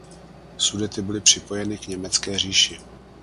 Sudety byly připojeny k Německé říši.